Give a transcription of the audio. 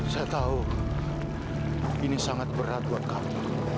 saya tahu ini sangat berat buat kami